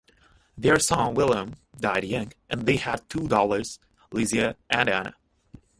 Their son William died young, and they had two daughters, Louisa and Anna.